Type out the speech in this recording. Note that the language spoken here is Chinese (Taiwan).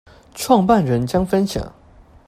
創辦人將分享